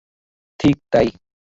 ঠিক, তাই।